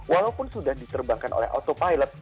walaupun sudah diterbangkan oleh autopilot